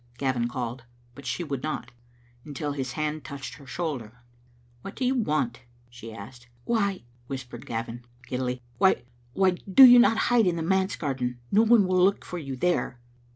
Gavin called, but she would not, until his hand touched her shoulder. "What do you want?" she asked. "Why—" whispered Gavin, giddily, "why — why do you not hide in the manse garden? — No one will look for you there."